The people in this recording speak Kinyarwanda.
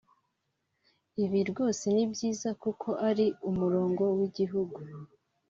Ibi rwose ni byiza kuko ari umurongo w'igihugu